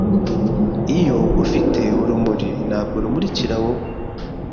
Iyo ufite urumuri ntabwo rumurikira wowe